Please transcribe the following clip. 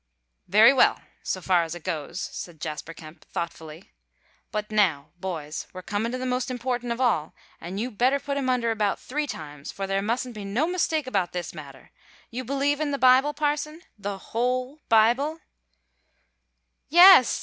"Very well, so far as it goes," said Jasper Kemp, thoughtfully. "But now, boys, we're comin' to the most important of all, and you better put him under about three times, for there mustn't be no mistake about this matter. You believe in the Bible, parson the whole Bible?" "Yes!"